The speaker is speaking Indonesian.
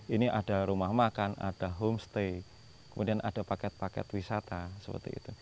ini ada rumah makan ada homestay kemudian ada paket paket wisata seperti itu